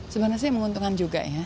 sebenarnya sih menguntungkan juga ya